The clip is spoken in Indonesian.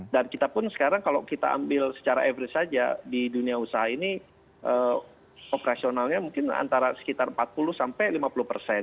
dan kita pun sekarang kalau kita ambil secara average saja di dunia usaha ini operasionalnya mungkin antara sekitar empat puluh sampai lima puluh persen